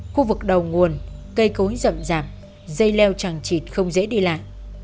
khu vực đầu nguồn cây cối rậm rạp dây leo trằng trịt không dễ đi lại